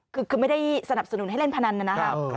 คือไม่ได้สนับสนุนให้เล่นพนันนะครับ